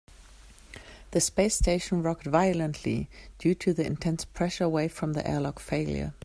The space station rocked violently due to the intense pressure wave from the airlock failure.